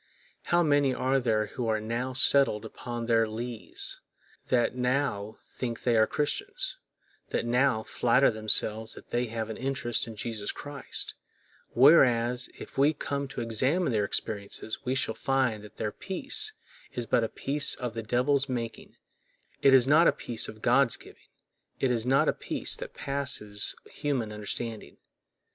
How many are there who are now settled upon their lees, that now think they are Christians, that now flatter themselves that they have an interest in Jesus Christ; whereas if we come to examine their experiences we shall find that their peace is but a peace of the devil's making—it is not a peace of God's giving—it is not a peace that passeth human understanding.